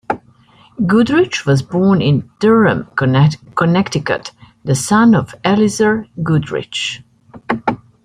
Goodrich was born in Durham, Connecticut, the son of Elizur Goodrich.